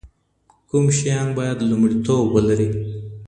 کوم شيان بايد لومړیتوب ولري؟